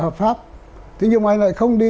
hợp pháp thế nhưng mà anh lại không đi